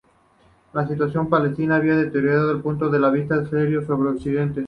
La situación palestina había deteriorado el punto de vista sirio sobre Occidente.